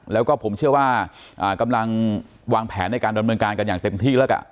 แล้วก็ผมเชื่อว่ากำลังวางแผนในการดำเนินการกันอย่างเต็มที่แล้วกัน